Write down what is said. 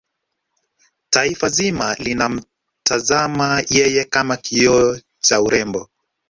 taifa zima linamtazama yeye kama kioo cha urembo